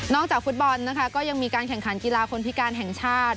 จากฟุตบอลนะคะก็ยังมีการแข่งขันกีฬาคนพิการแห่งชาติ